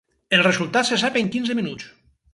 El resultat se sap en quinze minuts.